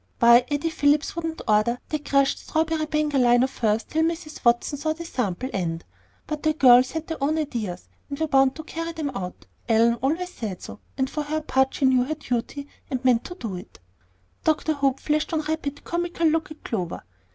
Why, Addy Phillips wouldn't order that crushed strawberry bengaline of hers till Mrs. Watson saw the sample, and But girls had their own ideas, and were bound to carry them out, Ellen always said so, and for her part she knew her duty and meant to do it! Dr. Hope flashed one rapid, comical look at Clover.